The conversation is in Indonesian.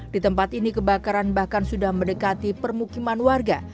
di tempat ini kebakaran bahkan sudah mendekati permukiman warga